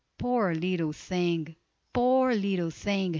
"Poor little thing! poor little thing!"